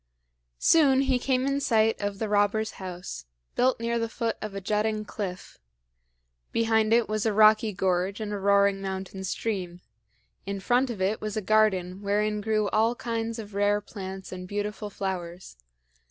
Soon he came in sight of the robber's house, built near the foot of a jutting cliff. Behind it was a rocky gorge and a roaring mountain stream; and in front of it was a garden wherein grew all kinds of rare plants and beautiful flowers.